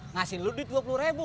ngasihin lu duit dua puluh ribu